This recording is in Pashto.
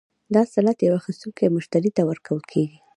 دا سند یو اخیستونکي مشتري ته ورکول کیږي.